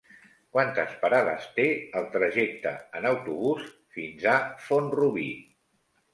Quantes parades té el trajecte en autobús fins a Font-rubí?